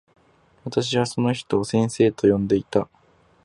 私はその人を先生と呼んでいた。